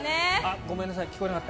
ごめんなさい聞こえなかった。